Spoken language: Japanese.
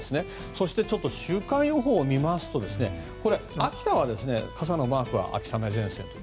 そして週間予報を見ますと秋田は傘マークは秋雨前線。